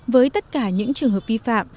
với tất cả những trường hợp vi phạm